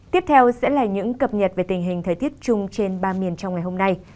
tiếp theo sẽ là những cập nhật về tình hình thời tiết chung trên ba miền trong ngày hôm nay